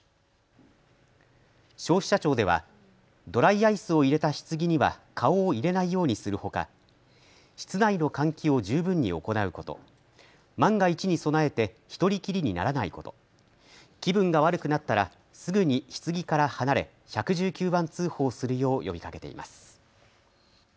消費者庁では、ドライアイスを入れたひつぎには顔を入れないようにするほか、室内の換気を十分に行うこと、万が一に備えて１人きりにならないこと、気分が悪くなったらすぐにひつぎから離れ、１１９番通報するよう呼びかけています。